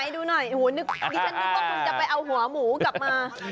ไหนดูหน่อยอันนี้ฉันก็คงจะไปเอาหัวหมูกลับมา